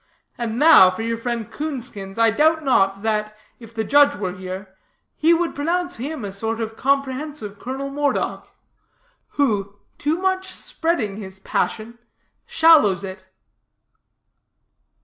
And now, for your friend Coonskins, I doubt not, that, if the judge were here, he would pronounce him a sort of comprehensive Colonel Moredock, who, too much spreading his passion, shallows it."